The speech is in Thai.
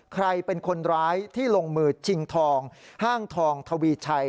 ใครเป็นคนร้ายที่ลงมือชิงทองห้างทองทวีชัย